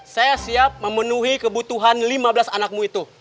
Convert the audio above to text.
saya siap memenuhi kebutuhan lima belas anakmu itu